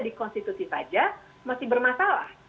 di konstitusi saja masih bermasalah